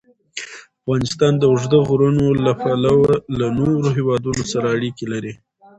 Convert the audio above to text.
افغانستان د اوږده غرونه له پلوه له نورو هېوادونو سره اړیکې لري.